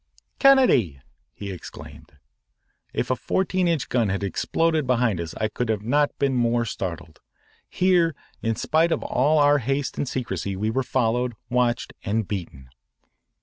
"Kennedy!" he exclaimed. If a fourteen inch gun had exploded behind us I could not have been more startled. Here, in spite of all our haste and secrecy we were followed, watched, and beaten.